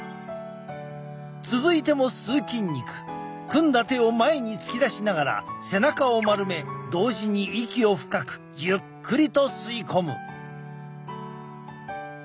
組んだ手を前に突き出しながら背中を丸め同時に息を深くゆっくりと吸い込む。